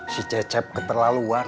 si cecep keterlaluan